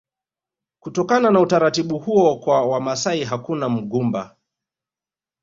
Kutokana na utaratibu huo kwa Wamasai hakuna mgumba